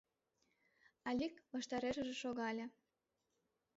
— Алик ваштарешыже шогале.